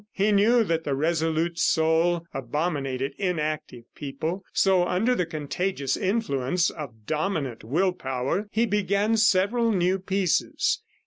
He knew that the resolute soul abominated inactive people, so, under the contagious influence of dominant will power, he began several new pieces.